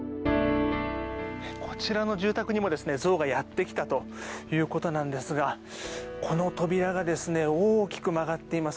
こちらの住宅にもゾウがやってきたということなんですがこの扉が大きく曲がっています。